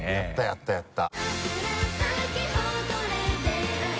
やったやった。